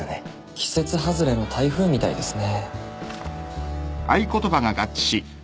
季節外れの台風みたいですね